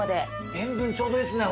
塩分ちょうどいいっすね